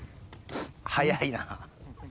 早いな。